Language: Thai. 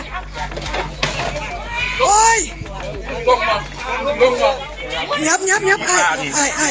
เนี๊ยบเนี๊ยบเนี๊ยบไอ้ไอ้ไอ้